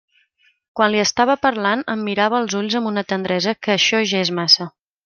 Quan li estava parlant em mirava als ulls amb una tendresa que això ja és massa.